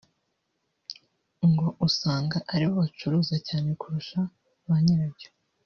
ngo usanga aribo bacuruza cyane kurusha ba nyirabyo